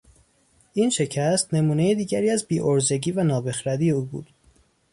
این شکست نمونهی دیگری از بیعرضگی و نابخردی او بود.